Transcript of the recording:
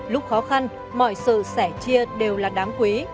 lúc khó khăn mọi sự sẻ chia đều là đáng quý